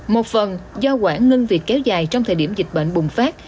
một phần do quản ngưng việc kéo dài trong thời điểm dịch bệnh bùng phát